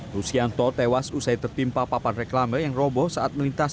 rusianto tewas usai tertimpa papan reklame yang roboh saat melintas